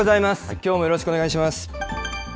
きょうもよろしくお願いいたします。